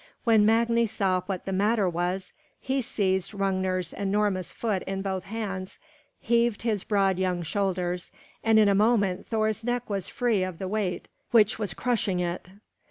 When Magni saw what the matter was, he seized Hrungnir's enormous foot in both his hands, heaved his broad young shoulders, and in a moment Thor's neck was free of the weight which was crushing it.